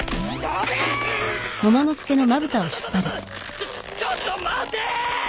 ちょちょっと待て。